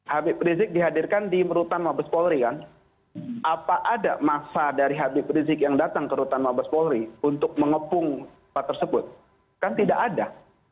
habib rizik dihadirkan di rutan mabes polri kan apa ada massa dari habib rizik yang datang ke rutan mabes polri untuk mengepung tempat tersebut kan tidak ada